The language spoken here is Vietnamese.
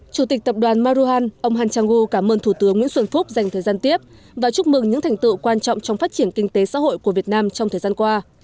chủ tịch tập đoàn maruhan ông han chang gu cảm ơn thủ tướng nguyễn xuân phúc dành thời gian tiếp và chúc mừng những thành tựu quan trọng trong phát triển kinh tế xã hội của việt nam trong thời gian qua